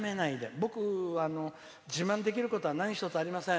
僕、自慢できることは何一つありません。